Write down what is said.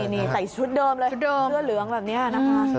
นี่ใส่ชุดเดิมเลยเสื้อเหลืองแบบนี้นะคะ